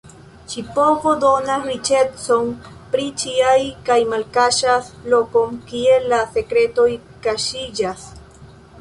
Ĉi-povo donas riĉecon pri ĉiaj kaj malkaŝas lokon kie la sekretoj kaŝiĝas.